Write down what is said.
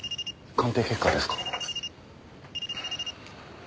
鑑定結果ですか？